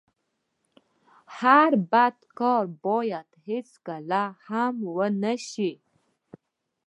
او هر بد کار بايد هيڅکله هم و نه سي.